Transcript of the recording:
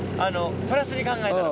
プラスに考えたら。